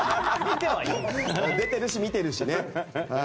出てるし見てるしね。